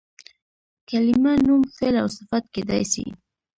کلیمه نوم، فعل او صفت کېدای سي.